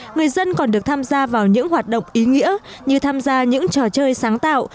người dân còn được tham gia vào những hoạt động ý nghĩa như tham gia những trò chơi sáng tạo